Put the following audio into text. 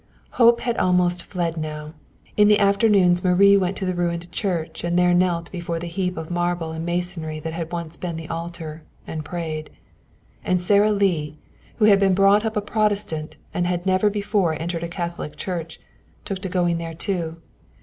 Hope had almost fled now. In the afternoons Marie went to the ruined church, and there knelt before the heap of marble and masonry that had once been the altar, and prayed. And Sara Lee, who had been brought up a Protestant and had never before entered a Catholic church, took to going there too.